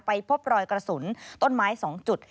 พบรอยกระสุนต้นไม้๒จุด